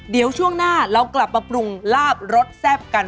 เดี๋ยวช่วงหน้าเรากลับมาปรุงลาบรสแซ่บกัน